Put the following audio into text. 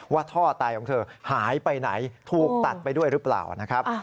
ว่าท่อไตของเธอหายไปไหนถูกตัดไปด้วยหรือเปล่านะครับ